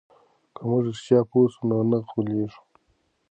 که موږ رښتیا پوه سو نو نه غولېږو.